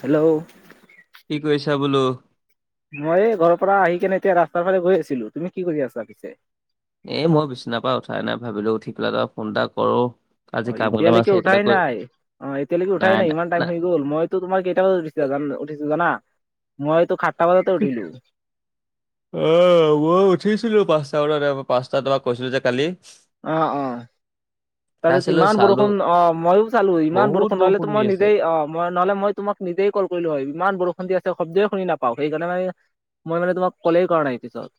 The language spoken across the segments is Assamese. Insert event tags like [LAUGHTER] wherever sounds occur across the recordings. হেল্লো'। কি কৈছা বোলো। মই এই ঘৰৰ পৰা আহি কেনে এতিয়া ৰাস্তাৰ ফালে গৈ আছিলো তুমি কি কৰি আছা পিছে। এ মই বিচনাৰ পৰা উঠাই নাই ভাবিলো উঠি পেলাই তাপা ফোন এটা কৰো। আজি অ কাম কেইটামান আছে এতিয়ালৈকে সেইকেইটা উঠাই কৰি নাই অ এতিয়ালৈকে উঠাই নাই ইমান টাইম হৈ গ'ল মই। তোমাৰ কেইটা বজাত উঠিছা জান উঠিছে জানা মই তো সাতটা বজাতে উঠিলো। অ মই উঠিছিলো পাঁচটা বজাতে পাঁচটা তোমাক কৈছিলো যে কালি। অ অ। তাৰপিছত তাৰপিছলৈ ইমান চালো বৰষুণ অ মইও চালো ইমান বহুত বৰষুণ নহলেতো দি মই আছে। নিজেই অ মই নহলে মই তোমাক নিজেই কল কৰিলো হয়। ইমান বৰষুণ আছে শব্দই শুনি নাপাওঁ, সেইকাৰণেই মই মানে তোমাক কলেই কৰা নাই পিছত।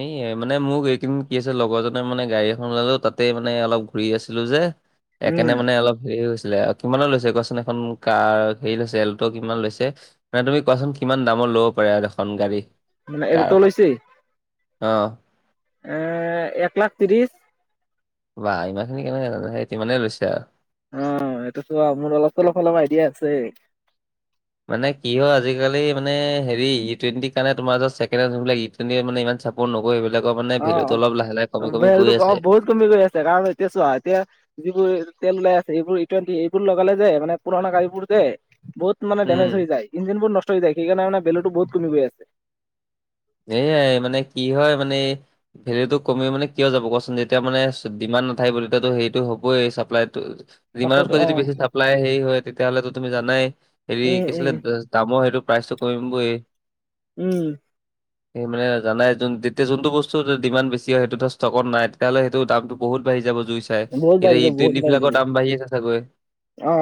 এই মানে মোক এইদিন কি আছে লগৰজনে মানে গাড়ী এখন ওলালো তাতেই মানে অলপ ঘূৰি আছিলো যে। উম একানে মানে অলপ হেৰি হৈছিলে আও। কিমানৰ লৈছে কোৱাচোন এখন কাৰ হেৰি লৈছে এলটো কিমান লৈছে মানে তুমি কোৱাচোন কিমান দামৰ ল'ব পাৰে এয়াত এখন গাড়ী? মানে কাৰ এল্ট এখন লৈছে? অ। এ এক লাখ ত্ৰিছ বাহ ইমান খিনি কেনেকে জানা সেই তিমানে লৈছে আও। অ এইটোতো মোৰ অলপ চলপ অলপ আইডিয়া আছে। মানে কি হয় আজিকালি মানে হেৰি ই টুৱেণ্টিৰ কাৰণে তোমাৰ যে ছেকেণ্ড হেণ্ড হলো লাগে ইট তেনেকে মান ইমান চাপৰ্ট নকৰে, সেইবিলাকৰ মানে অ অ ভেলু টো অলপ লাহে লাহে কমি কমি ভেলটো গৈ অ আছে। বহুত কমি গৈ আছে কাৰণ এতিয়া চোৱা এতিয়া যিবোৰ তেল ওলাই আছে এইবোৰ ইটুৱেণ্টি এইবোৰ লগালে যে মানে পুৰণা গাড়ীবোৰ যে বহুত মানে উম, দেমেজ হৈ যায়, ইঞ্জিন বোৰ নষ্ট হৈ যায় সেইকাৰনে মানে ভেলু টো বহুত কমি গৈ আছে। এয়াই মানে কি হয় মানে ভেলিউটো কমি মানে কিয় যাব কোৱাচোন? যেতিয়া মানে ডিমাণ্ড নাথাকিব তেতিয়াটো সেইটো হ'বই চাপ্লাইটো তাপত ডিমানতকৈ অ যদি বেছি চাপ্লাই হেৰি হয় তেতিয়াহ'লেটো তুমি জানাই হেৰি উম কি আছিলে উম দামৰ সেইটো প্ৰাইচটো কমিমবয়ে। উম, এ মানে জনাই যোন তেতিয়া যোনটো বস্তু ডিমাণ্ড বেছি হয় সেইটোটো ষ্টকত নাই তেতিয়াহ'লে সেইটো দামটো বহুত বাঢ়ি যাব বহুত [UNINTELLIGIBLE] এ এতিয়া বাঢ়ি ই যাব বহুত টুৱেণ্টি বাঢ়ি বিলাকৰ যাব দাম বাঢ়ি আছে চাগৈ? অ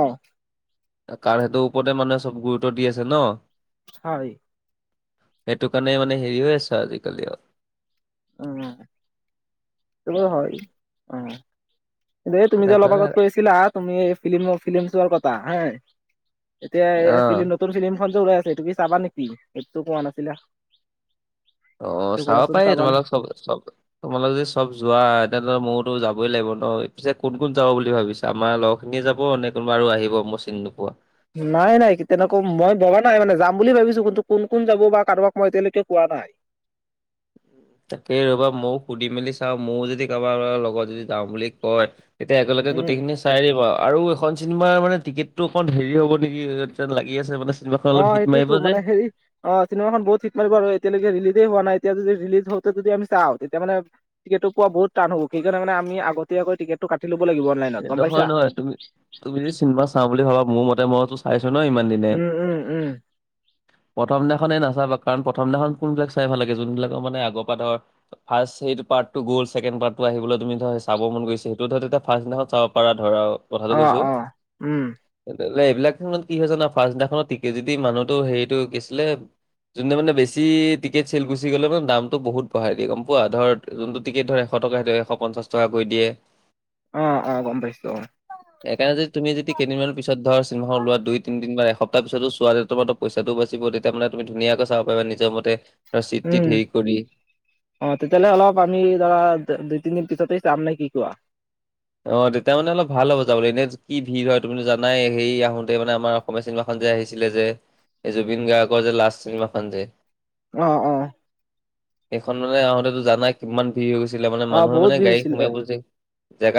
কাৰণ সেইটোৰ ওপৰতে মানুহে চব গুৰুত্ব দি আছে ন? হয়। সেটো কাৰণে মানে হেৰি হৈ আছে আজিকালি অ, উম, তুমিওঁ হয় উম, অহ, যে তুমি যে তাকে, অলপ আগত কৈ আছিলা তুমি ফ্লিমো -ফিলিম চোৱাৰ কথা হে এতিয়া অ এ ফিলিম নতুন ফিলিমখন যে ওলাই আছে এইটো কি চাবা নেকি সেইটোতো কোৱা নাছিলা? অ, এইটো চাব কোৱাচোন পাৰি চাবা নে তোমালোক চব -চব তোমালোকে যদি চব যোৱা তেনেহলে মইওতো যাবই লাগিব ন' পিছে কোন -কোন যাব বুলি ভাবিছে? তে আমাৰ লগৰখিনিয়ে যাব নে কোনোবা আৰু আহিব মই চিনি নোপোৱা? নাই -নাই তেনেকুৱা মই ববা নাই মানে যাম বুলি ভাবিছোঁ কিন্তু কোন -কোন যাব বা কাৰোবাক মই এতিয়ালৈকে কোৱা নাই। তাকেই ৰবা মওঁ সুধি মেলি চাওঁ মওঁ যদি কাৰোবা- কাৰোবা লগত যদি যাওঁ বুলি কয় তেতিয়া একেলগে উম গোটেইখিনিচ চাই দিবা আৰু এইখন চিনেমাৰ মানে টিকেটটো অকণ হেৰি হ'ব নেকি লাগি আছে মানে চিনেমাখন অ, অলপ হিট মাৰিব সেইটোৱেতো যে মানে হেৰি অ, চিনেমাখন বহুত হিট মাৰিব আৰু এতিয়া লৈকে ৰিলিজে হোৱা নাই এতিয়া যদি ৰিলিজ হওঁতে যদি আমি চাওঁ তেতিয়া মানে টিকটটো পোৱা বহুত টান হ'ব সেইকাৰণে আমি আগতীয়া কৈ টিকট টো কাটি লব লাগিব। অনলাইনত এ গম পাইছা। নহয়-নহয় তুমি তুমি যদি চিনেমা চাওঁ বুলি ভাবা মোৰ মতে মইতো চাইছোঁ ন' ইমান দিনে? উম উম উম প্ৰথম দিনাখনে নাচাবা কাৰণ প্ৰথম দিনাখন কোনবিলাক চাই ভাল লাগে যোনবিলাকৰ মানে আগৰ পৰা ধৰ ফাৰ্ষ্ট সেইটো পাটৰ্টো গ'ল ছেকেণ্ড পাটৰ্টো আহিবলৈ তুমি ধৰা চাব মন গৈছে সেইটো ধৰা তেতিয়া ফাৰ্ষ্ট দিনাখন চাব পাৰা ধৰা কথাটো অ কৈছো। অ উম লে এইবিলাকখনত কি হয় জানা ফাৰ্ষ্ট দিনাখনত টিকে যদি মানুহটো হেৰিটো কি আছিলে যোনদিনা মানে বেছি টিকেট চেল গুচি গ'লে মানে দামটো বহুত বঢ়াই দিয়ে গম পোৱা ধৰ যোনটো টিকেট ধৰ এশ টকা সেইটো এশ পঞ্চাশ টকা কৈ দিয়ে অ', অ', গম পাইছো অ। একাৰণে যদি তুমি যদি কেইদিনমানৰ পিছত ধৰ চিনেমাখন উলোৱা দুই, তিনি বা এসপ্তাহ পিছতো চোৱা [UNINTELLIGIBLE] পইচাটো বাচিব তেতিয়া মানে তুমি ধুনীয়াকে চাব পাৰিবা নিজৰ মতে ধৰা চিত- উম টিত হেৰি কৰি। অ, তেতিয়াহ'লে অলপ আমি ধৰা দুই, তিনিদিন পিছতে চাম নে কি কোৱা? অ, তেতিয়া মানে অলপ ভাল হ'ব যাবলে এনে কি ভিৰ হয় তুমিটো জানায় হেই আহোতে মানে আমাৰ অসমীয়া চিনেমাখন যে আহিছিলে যে এ জুবিন গাৰ্গৰ যে লাষ্ট চিনেমাখন যে অ', অ', এইখন মানে আহোতেতো জানাই কিমান ভিৰ হৈ গৈছিলে মানে অ মানুহে বহুত মানে ভিৰ গাড়ী হৈছিলে সোমিয়া বলেজে যে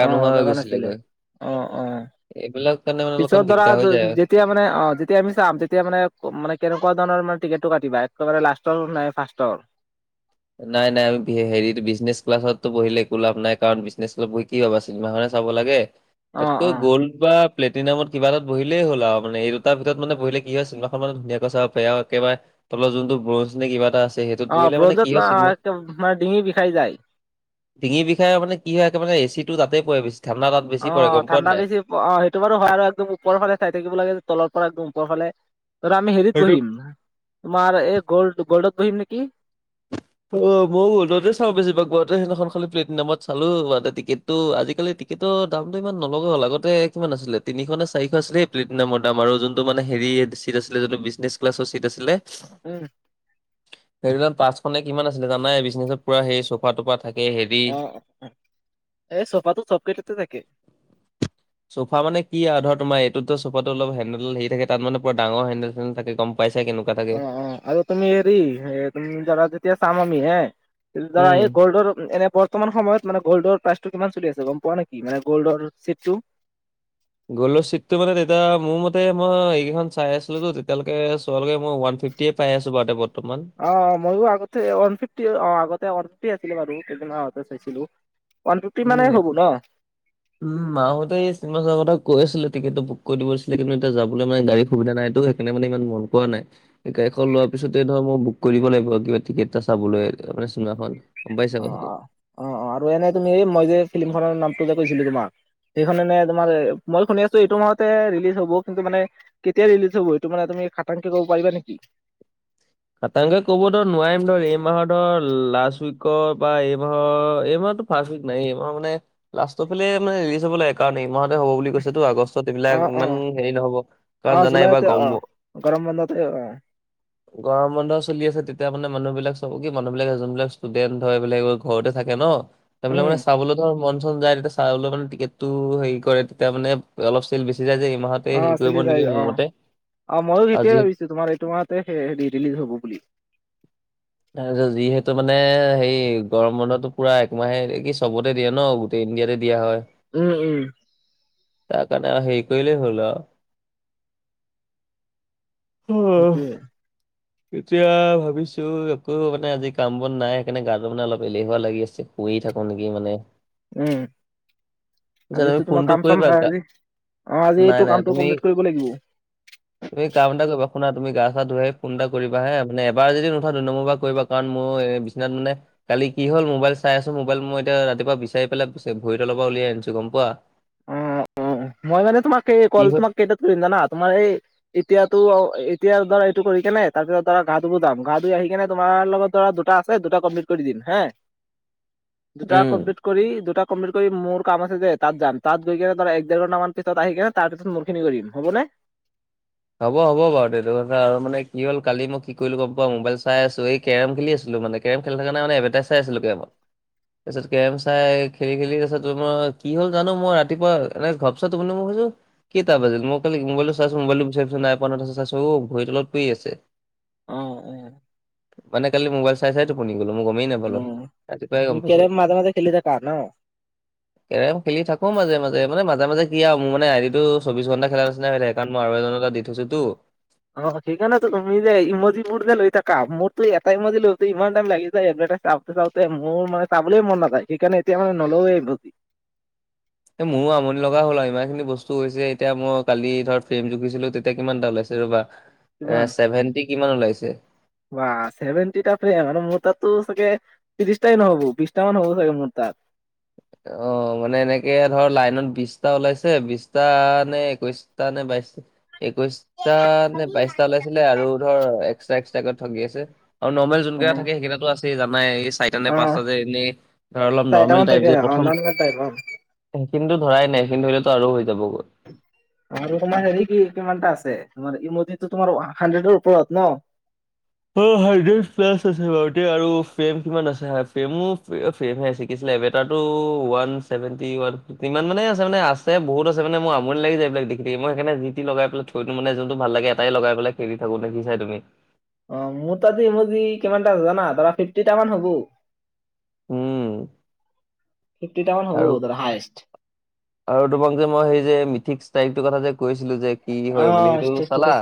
অ, নোহোৱা হৈ জাগা নাছিলে গৈছিলেগৈ। অ', অ', এইবিলাক কাৰণে মানে অলপমান পিছত ধৰা দিগদাৰ হৈ যায় আৰু। [UNINTELLIGIBLE] এতিয়া মানে অ, যেতিয়া আমি চাম তেতিয়া মানে- মানে কেনেকুৱা ধৰণৰ মানে টিকেট টো কাটিবা একেবাৰে লাষ্টৰ নাই ফাৰ্ষ্টৰ? নাই -নাই আৰু হেৰিটো বিজনেচ ক্লাছততো বহিলে একো লাভ নাই কাৰণ বিজনেছ ক্লা [UNINTELLIGIBLE] কি ভাবা চিনেমাখনে চাব লাগে অ তাতকৈ অ গ'ল্ড বা প্লেটিনামত কিবা এটাত বহিলেই হ'ল আও মানে এই দুটা ভিতৰত মানে বহিলে কি হয় চিনেমাখন মান ধুনিয়াকৈ চাব পাৰে আৰু একেবাৰ তলৰ যোনটো ব্ৰঞ্জ নে কিবা ‌এটা আছে সেই টোত বহিলে মানে কি না হয় চিনেমা একে মানে ডিঙি বিষাই যায়। ডিঙি বিষাই মানে কি হয় একে মানে এ চি টো তাতে পৰে বেছি ঠাণ্ডা তাত বেছি অ, পৰে গম পোৱা নে ঠাণ্ডা নাই? বেছি অ, সেইটো বাৰু হয় আৰু একদম ওপৰ ফালে চাই থাকিব লাগে তলৰ পৰা একদম ওপৰ ফালে। ধৰা আমি হেৰিত সেইটো বহিম তোমাৰ এ গল্ড -গল্ডত বহিম নেকি? অ, ময়ো হলতে চাওঁ বেছিভাগ গুৱাতে সেইদিনাখন খালি প্লেটিনামত চালো [UNINTELLIGIBLE] এটা টিকেট ত' আজিকালি টিকেটৰ দামটো ইমান নলগা হ'ল আগতে কিমান আছিলে তিনিশ নে চাৰিশ আছিলে সেই প্লেটিনামৰ দাম আৰু যোনটো মানে হেৰি চিট আছিলে যোনটো মানে বিজনেচ ক্লাছৰ চিট আছিলে উম। সেই পাছখনে কিমান আছিলে জানাই বিজনেত, পুৰা সেই চোফা টোফাত তাকে হেৰি অঁ, এই চোফাটো চব কেইটাতে থাকে [INAUDIBLE] চোফা মানে কি আও ধৰ তোমাৰ এইটোতো চোফাটো অলপ হেডেল হেৰি থাকে, তাত মানে ডাঙৰ হেন্দেল চেণ্ডেল থাকে গম পাইছে কেনেক কা অ থাকে। অ আৰু তুমি হেৰি এ, ‌ তুমি ধৰা যেতিয়া চাম আমি হে, ধৰা উম এই গ'ল্ডৰ এনে প বৰ্তমান সময় মানে গ'ল্ডৰ প্ৰাইচটো কিমান চলি আছে গম পোৱা নেকি? মানে গ'ল্ডৰ ছেটটো গল্ডৰ চেটটো মানে তেতিয়া মোৰ মতে মই এইকেইখন চাই আছিলো তেতিয়ালৈকে চোৱালৈকে মই ওৱান ফিফটি টি এ পাই আছো বাৰু বৰ্তমান অ ময়ো আগতে ওৱান ফিফটি অ আগতে ওৱান ফিফটি আছিলে বাৰু কেইদিন মান আগতে চাইছিলো। ওৱান ফিফটি মানে, উম হ'ব ন? উম মাহ‌তে এই চিনমা চোৱা কথা কৈ আছিলে টিকেটো বুক দিব কৈছিলে‌ কিন্তু এতিয়া যাবলৈ মানে গাড়ীৰ সুবিধা নাই টো তেনে মানে ইমান মন কৰা নাই। গাড়ীখন লোৱাৰ পিছতে ধৰ মই বুক কৰিব লাগিব, কিবা টিকেট এটা চাবলৈ মানে চিনেমাখন। গম পাইছা অঁ কথাটো। অঁ। অঁ আৰু এনে তুমি মই যে ফিল্মখনৰ নামটো যে কৈছিলো তোমাক সেইখন মানে তোমাৰ মই শুনি আছো এইটো মাহতে ৰিলিজ হব কিন্তু মানে কেতিয়া ৰিলজ হব সেইটো মানে তুমি খাংতাংকে কব পাৰিবা নেকি? খাতাংকে কব ধৰ নোৱাৰিম নহয় এই মাহৰ ধৰ লাষ্ট উইকৰ বা এই মাহৰ এই মাহৰ ফাৰ্ষ্ট উইক নায়েই এইমাহৰ মানে লাষ্টৰ ফালে মানে ৰিলিজ হব লাগে কাৰণ মাহতে হ'ব বুলি কৈছেতো আগষ্টত অ এইবিলাক অ ইমান হেৰি নহব অ কাৰণ জানা জুলাইতে এইবাৰ অ গৰম গৰম বন্ধ থ গৰম বন্ধ চলি আছে। তেতিয়া মানে মানুহবিলাক চব কি মানুহবিলাক যোনবিলাক ষ্টুডেণ্ট হয় এইবিলাক ঘৰতে থাকে ন? সেই বিলাক উম মানে চাবলৈ ধৰ মন চন যায় এনে চাই হলে মানে টিকেট টো হেৰি কৰে তেতিয়া মানে অলপ চেল বেছি যায় যে এই মাহত অ চলি যায় অঁ, অঁ মইয়ো আৰু সেইতোৱেই যিহেতু ভাবিছো তোমাৰ এইটো মাহতে হেৰি ৰিলিজ হ'ব বুলি। তাৰ পিছত যিহেতু মানে হেৰি গৰম বন্ধটো পুৰা একমাহে কি, চবতে দিয়ে ন? গোতেই ইণ্ডিয়াতে দিয়া হয় উম উম। তাৰ কাৰণে আৰু হেৰি কৰিলেই হ'ল আৰু উম। সেইটোৱে। এতিয়া ভাবিছো একো মানে আজি কাম বন নাই সেইকাৰণে গা মানে অলপ এলেহুৱা লাগি আছে। শুই থাকো নেকি মানে উম। পিছত তুমি আজিটো তোমাৰ ফোনটো কাম চাম কৰিবা নাই গা- আজি অঁ আজি নাই নাই কামটো তুমি কমপ্লিট কৰিব লাগিব। তুমি কাম এটা কৰিবা শুনা তুমি গা চা ধুই আহি ফোন এটা কৰিবা হে মানে এবাৰ যদি নুঠাও দুই নম্বৰ বাৰ কৰিবা কাৰণ মোৰ বিচনাত মানে কালি কি হল মোবাইল চাই আছো মোবাইল মই এতিয়া ৰাতিপুৱা বিচাৰি পেলাই ভৰি তলৰ পৰা উলিয়াই আনিছো গম পোৱা। অ অ মই মানে তোমাক এই কি কল হ'ল তোমাক কেইটাত কৰিম জানা তোমাৰ এই এতিয়াতো এতিয়া ধৰা এইটো কৰি কেনে তাৰপিছত ধৰা গা ধুব যায গা ধুই আহি কিনে তোমাৰ লগত ধৰা দুটা দুটা কমপ্লিট কৰি দিম হে। [INAUDIBLE] দুটা কমপ্লিট কৰি দুটা কমপ্লিট কৰি মোৰ কাম আছে যে তাত যাম। তাত গৈ কিনে ধৰা এক দেৰ ঘণ্টামান পিছত আহি কেনে তাৰপিছ মোৰ খিনি কৰিম হবনে? হ'ব হ'ব বাৰু এইটো কথা আৰু মানে কি হ'ল কালি মই কি কৰিলো গম পোৱা মোবাইল চাই আছো এই কেৰম খেলি আছিলো মানে, কেৰম খেলি থাকা নাই মানে এডৰ্ভাটাইজ চাই আছিলো কেৰমত তাৰপিছত কেৰম চাই খেলি খেলি তাৰপিছতো কি হল জানো মই ৰাতিপুৱা এনে ঘপছা টোপনি মই ভাবিছোঁ কেইটা বাজিল, মই কালি মোবাইলটো চাইছো মোবাইলটো বিচাৰি ফুৰিছোঁ নাই পোৱা নহয় তাৰ পাছত চাইছো অ ভৰিৰ তলত পৰি আছে। অঁ অঁ মানে কালি মোবাইল চাই চাই টোপনি গলো মই গমেই নাপালো। উম ৰাতিপুৱাহে গম তুমি পাইছো। কেৰম মাজে মাজে খেলি থাকা ন? কেৰম খেলি থাকো মাজে মাজে মানে মাজে মাজে কি আৰু মোৰ মানে আই দিটো চৌবিশ ঘণ্টা খেলা নিচিনা হৈ থাকে কাৰণ মই আৰু এজনৰ তাত দি- থৈছো টো। অ সেইকাৰণেতো তুমি যে ইমজিবোৰ যে লৈ থাকা, মোৰতো এটা ইমজি লৈ থাকোতে ইমান টাইম লাগি যায় এডৰ্ভাটাইজ চাও চাওঁতে মোৰ মানে চাবলৈ মন নাযায় সেইকাৰণে, এতিয়া মানে নলয়ে সেইবোত। এ মোৰো আমনি লগা হ'ল আৰু ইমান খিনি বস্তু হৈছে এতিয়া মই কালি ধৰ ফ্ৰেম জুখিছিলো তেতিয়া কিমানটা ওলাইছ- যে ৰবা এ চেভেণ্টি কিমান ওলাইছে। ৱা চেভেনটিটা ফ্ৰেম আৰু মোৰ তাতটো চাগে ত্ৰিশটাই নহব বিশটা মান হব চাগে মোৰ তাত। অ মানে এনেকে ধৰ লাইনত বিশটা ওলাইছে বিশটা নে একৈশ টা নে বাইশ একৈশ টা নে বাইশটা ওলাইছিলে আৰু ধৰ এক্সট্ৰা এক্সট্ৰাকে ঠগি আছে। আৰু নৰ্মেল যোন কেইটা থাকে সেইকেইটাতো আছে জানাই এই চাৰিটা নে অ পাঁচটা যে এনেই ধৰ অলপ নৰ্মেল চাৰিটামান টাইপ থাকে যে প- অ নন মেল টাইপ অ। সেইখিনিতো ধৰাই নাই সেইখিনি ধৰিলেতো আৰু হৈ যাব গৈ। আৰু তোমাৰ হেৰি কি কিমানটা আছে তোমাৰ ইমজিটো তোমাৰ হানড্ৰেডৰ ওপৰত ন? অহ হানড্ৰেড প্লাছ আছে বাৰু দিয়া আৰু ফ্ৰেম কিমান আছে ফ্ৰেমো ফ্ৰে- সেভাই ছিকিছিলে এবেটাৰ টো ওৱান চছেভেনটি ওৱান। ইমান মানে আছে মানে আছে বহুত আছে মানে মোৰ আমনি লাগি যায় এইবিলাক দেখি মই সেইকাৰনে যিটি লগাই পেলাই থ- থৈটো মানে যোনটো ভাল লাগে এটাই লগাই পেলাই খেলি থাকো দেখিছাই তুমি। অ মোৰ তাটো মোৰ কিমানটা জানা ধৰা ফিফটি টা মান হবো। উম ফিফটি টা মান হ'ব আৰু ধৰা হায়েষ্ট। আৰু তোমাক যে মই সেই যে মিথিক্ তাইপটোৰ কথা যে কৈছিলো যে কি হয় বুলি সেইটো চালা?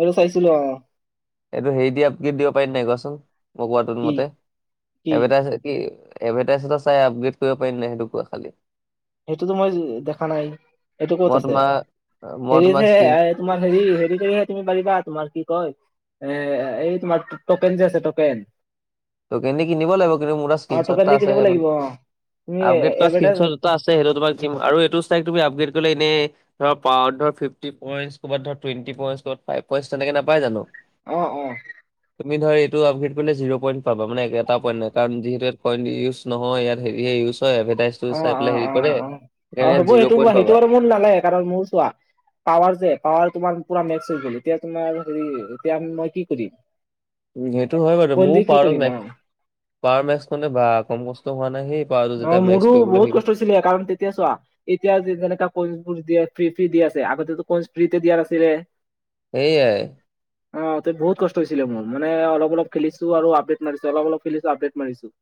এইটো চাইছিলো অ। এইটো হেৰি দি আপগ্ৰেড দিব পাৰিম নাই কোৱাচোন মই কোৱাটো কি মতে? কি এভেদাইছ কি এডভাৰ্টাইজ এটা চাই আপগ্ৰেড কৰিব পাৰিম নাই সেইটো কোৱা খালি? সেইটোতো মই দেখা নাই এইটো কত মই আছে তোমাৰ মই হেৰিত তোমাক হে স্ক্ৰীন এয়াইত তোমাৰ হেৰি হেৰি কৰিহে তুমি পাৰিবা তোমাৰ কি কয় এ এই তোমাৰ টকেন যে আছে টকেন টকেন দি কিনিব লাগিব কিন্তু মোৰ অ স্ক্ৰীনশ্বট টকেন এটা দি আছে কিনিব মানে লাগিব অ তুমি আপগ্ৰেড কৰা এডভাৰটাইজ স্ক্ৰীনশ্বট। টা আছে সেইটো তোমাক দিম আৰু এইটোস্থাইক তুমি আপগ্ৰেট কৰিলে এনে ধৰ পাৱাৰ ফিফটি পইন্টচ কবাত ধ টুৱেটি পইণ্টচ ফাইভ পইন্ট তেনেকে নাপাই জানো। অ অ। তুমি ধৰা এইটো আপগ্ৰেড কৰিলে জিৰ পইণ্ট পাবা মানে এটা পইণ্ট নাই কাৰণ যিহেতু ইয়াত ইউজ নহয় ইয়াত হেৰি ইউছ হয় এভাৰটাইজ টো অ অ চাই পেলাই হেৰি কৰে সেকানে এয়াত জিৰ' পইণ্টচ পাবা। মন নালাগে কাৰণ মোৰ চোৱা পাৱাৰ যে পাৱাৰ তোমাৰ পুৰা মেক্স হৈ গল এতিয়া তোমাৰ হেৰি এতিয়া মই কি কৰি- উ সেইটো হয় বাৰু মোও পাৱাৰ কৰিম অ মেক্স পাৱাৰ মেক্স খনে বা কম কষ্ট হোৱা নাই সে। পাওতো যেতিয়া মেক্স কৈবলে হৈ গ'ল। ছিলে কাৰণ তেতিয়া চোৱা এতিয়া যেনেকা কৰ্চবোৰ দিয়ে, ফ্ৰী ফ্ৰী দি আছে আগতেটো কৰ্চ ফ্ৰীতে দিয়া নাছিলে। সেয়াই। অ তই বহু কষ্ট হৈছিলে মোৰ মানে অলপ অলপ খেলিছো আৰু আপডেট মাৰিছো অলপ অলপ খেলিছো আপডেট মাৰিছো।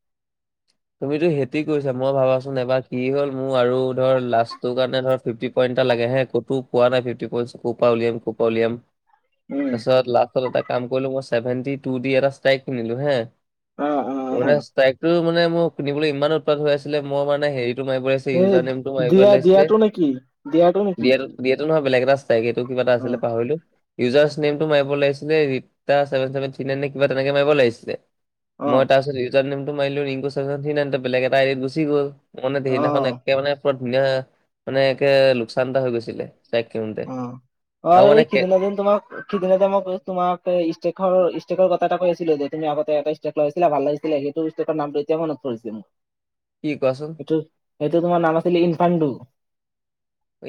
তুমিতো সেতি কৈছা মই ভাবাচোন এবাৰ কি হ'ল মোৰ আৰু ধৰ লাষ্টটোৰ কাৰণে ধৰ ফিফটি পইণ্ট এটা লাগে হে ক'তো পোৱা নাই ফিফটি পইণ্টছ কপা উলিয়াম কপা উলিয়াম। উম তাছত লাখখলত এটা কাম কৰিলো মই চছেভেনটি টু দি এটা ষ্ট্ৰাইক কিনিলো হে অ অ। অ অৰুনা ষ্টাইকটো মানে মোৰ শুনিবলৈ ইমান উৎপাত হৈ আছিলে মোৰ মানে হেৰিটো মাৰিবলে ঠি এই ইউজাৰ নেমটো মাৰিব দিয়া লাইছিলে দিয়াটো নেকি দিয়াটো নেকি দিয়াত বিয়েটো নহয় বেলেগ এটা ষ্টাইক এইটো কিবা এটা অ আছিলে পাহৰিলো ইউজাৰ্চ নেমটো মাৰিব লাগিছিলে Rita seven seven three nine নে কিবা তেনেকে মাৰিব লাগিছিলে অ মই তাৰপিছত ইউজাৰ নেমটো মাৰিলো ৰিংকু ছেভেনত থ্ৰী নাইনটোত কিন্তু বেলেগ এটা আইডিত গুচি গ'ল মানে সেই অ অ সেইদিনাখন একে মানে পুৰা ধুনীয়া মানে একে লোকচান এটা হৈ গৈছিলে তাইক অ আৰু এই সিদিনা দিন তোমাক সিদিনাতে মোক তোমাক ষ্টেকৰ ষ্টেকৰ কথা এটা কৈছিলো যে তুমি আগতে এটা ষ্টেক লগাইছিলা ভাল লাগি ছিলে সেইটো ষ্টেকৰ নামটো এতিয়া মনত পৰিছে মোৰ কি কোৱাচোন তো সেইটো তোমাৰ নাম আছিলে ইনপাণ্ডু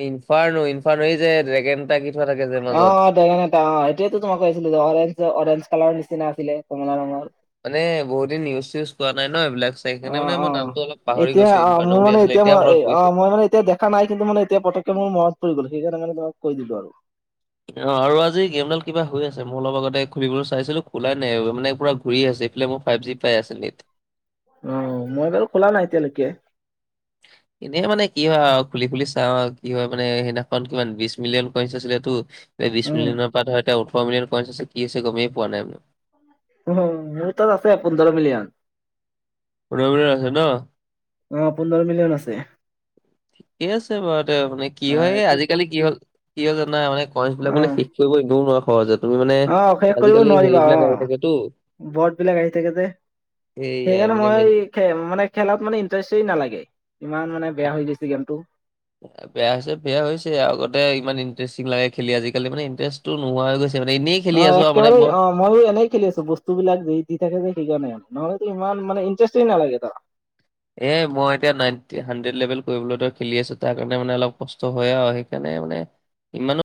ইনফাৰনো ইনফাৰনো এই যে ড্ৰেগেনটা কি অ অ ড্ৰেগন এটা সেইটোৱে তোমাক কৈ অছিলো অৰেঞ্জ অৰেঞ্জ কালাৰৰ নিচিনা আছিলে কমলা ৰঙৰ মানে বহুত দিন ইউজ চিউজ পোৱা নাই ন এইবিলাক চাই সেইকাৰণে অ মানে অ মই নামটো অলপ পাহৰি এতিয়া গৈছো অ ইনফাৰ্নো মোৰ বুলি মানে আছিলে এতিয়া মনত মই অ পৰিছে। মই মানে এতিয়া দে খা নাই কিন্তু মানে এতিয়া পতককে মোৰ মনত পৰি গ'ল আৰু সেইকানে মানে তোমাক কৈ দিলো আৰু অ আৰু আজি গেমডাল কিবা হৈ আছে মই অলপ আগতে খুলিবলৈ চাইছিলো খোলাই নাই মানে পুৰা ঘূৰি আছে এইফালে মোৰ ফাইভ জি পাই আছে নেট অ মই বাৰু খোলা নাই এতিয়ালৈকে এনেই মানে কি হয় আও খুলি খুলি চাওঁ আৰু কি হয় মানে সেইদিনাখন কিমান বিশ মিলিয়ন কইনচ আছিলেতো এই বিশ উম। মিলিয়নৰ পৰা ধৰ এতিয়া ওঠৰ মিলিয়ন কইঞ্চ আছে কি আছে গমেই পোৱা নাই মই হু হু মোৰ তাত আছে পোন্ধৰ মিলিয়ন পোন্ধৰ মিলিয়ন আছে ন অ পোন্ধৰ মিলিয়ন আছে ঠিকে আছে বাৰু তে মানে কি অ হয় এইটো অ আজিকালি কি হ'ল কি হল জানা মানে কইঞ্চ বিলাক মানে শি কৰিব নিদিও নোৱাৰা সহজতে তুমি মানে অ শেষ কৰিব আজিকালি হেৰি নোৱাৰিবা বিলাক অ আহি থাকেতো বট বিলাক আহি থাকে যে সেইয়াই সেইকাৰণে মানে মই মেইন মানে খেলাত মানে ইণ্টাৰেষ্টেই নালাগে ইমান মানে বেয়া হৈ গৈছে গেমটো বেয়া হৈছে বেয়া হৈছে আগতে ইমান ইণ্টাৰেষ্টিং লাগে খেলি আজিকালি মানে ইণ্টাৰেষ্টটো নোহোৱা হৈ গৈছে মানে এনে অহ একেবাৰে অ ময়ো এনেই খেলি আছো বস্তুবিলাক যদি দি থাকে যে সেইকাৰণে নহলেতো ইমান মানে ইণ্টাৰেষ্টেই নালাগে তাৰ এ মই এতিয়া নাইনটি হাড্ৰেড লেভেল কৰিবলৈ খেলি আছো তাৰ কাৰণে মানে অলপ কষ্ট হয় আৰু সেইকাৰণে মানে ইমানো